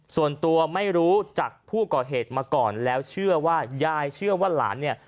ส่วนตัวไม่รู้จักผู้ก่อเหตุมาก่อนแล้วเชื่อว่ายายเชื่อว่าหลานเนี่ย